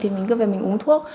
thì mình cứ về mình uống thuốc